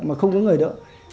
mà không có người đỡ